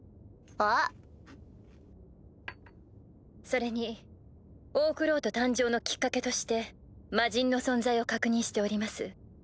それにオークロード誕生のきっかけとして魔人の存在を確認しております。